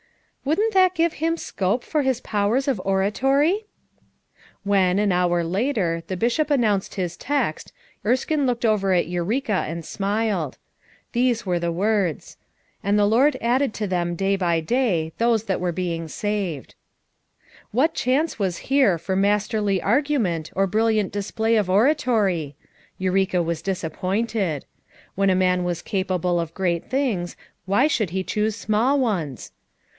"Wouldn't that give him scope for his powers of oratory?" When, an hour later, the Bishop announced his text, Erskine looked over at Eureka and smiled. These were the words: "And the FOUK MOTHERS AT CHAUTAUQUA 217 Lord added to them day by day those that were being saved/' What chance was here for masterly argu ment or brilliant display of oratory! Eureka was disappointed. "When a man was capable of great things why should he choose small ones?